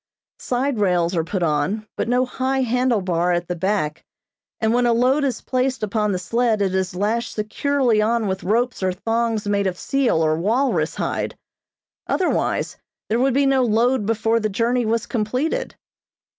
Side rails are put on, but no high handle bar at the back, and when a load is placed upon the sled it is lashed securely on with ropes or thongs made of seal or walrus hide; otherwise there would be no load before the journey was completed.